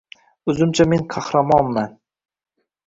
O‘zimcha men qahramonman.